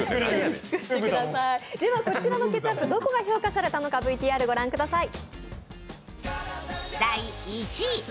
こちらのケチャップ、どこが評価されたのかＶＴＲご覧ください。